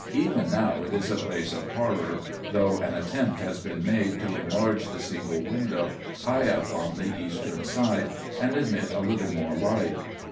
Even now it is a place of horror, though an attempt has been made to enlarge the single window, high up on the eastern side, and admit a little more light.